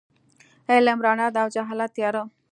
علم رڼا ده او جهالت تیاره.